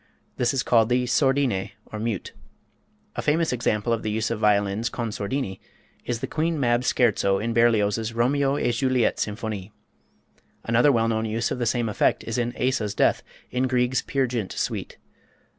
This is called the sordine, or mute. A famous example of the use of the violins con sordini is the Queen Mab Scherzo in Berlioz's "Romeo et Juliette Symphonie." Another well known use of the same effect is in Asa's Death, in Grieg's "Peer Gynt" Suite.